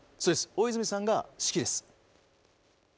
大泉さんが指揮です。